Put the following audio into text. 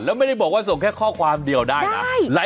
แล้วไม่ได้บอกว่าส่งแค่ข้อความเดียวได้นะ